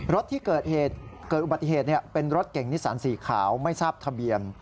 รถที่เกิดอุบัติเหตุเป็นรถเก่งนิสันสีขาวไม่ทราบทะเบียน